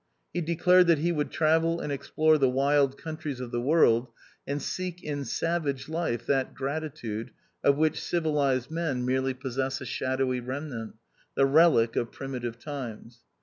He declared that he would travel aDd explore the wild countries of the world, and seek in savage life that gratitude of which civilized men merely possess a shadowy remnant — the relic of primitive times.